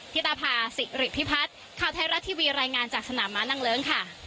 ที่ตาภาสิริพิพัฒน์ข้าวไทยรัตทีวีรายงานจากสนามมานังเลิ้ง